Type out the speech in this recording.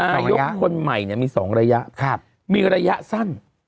นายกคนใหม่เนี่ยมีสองระยะมีระยะสั้น